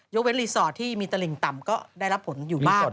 เว้นรีสอร์ทที่มีตลิ่งต่ำก็ได้รับผลอยู่บ้าง